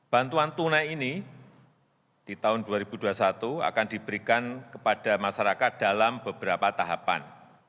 bantuan tunai ini di tahun dua ribu dua puluh satu akan diberikan kepada masyarakat dalam beberapa tahapan